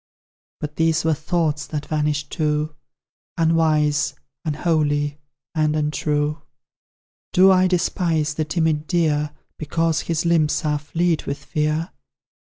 But these were thoughts that vanished too; Unwise, unholy, and untrue: Do I despise the timid deer, Because his limbs are fleet with fear?